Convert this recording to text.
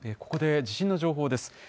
ここで地震の情報です。